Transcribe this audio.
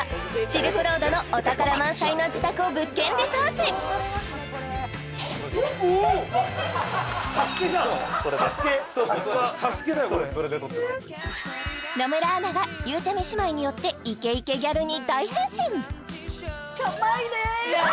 シルクロードのお宝満載の自宅を物件リサーチ野村アナがゆうちゃみ姉妹によってイケイケギャルに大変身！